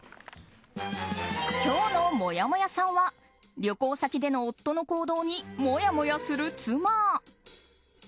今日のもやもやさんは旅行先での夫の行動にもやもやする妻。